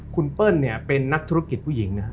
คุณเปิ้ลเนี่ยเป็นนักธุรกิจผู้หญิงนะครับ